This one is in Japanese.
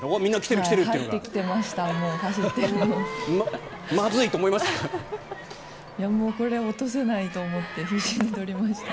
もうこれ、落とせないと思って、必死にとりました。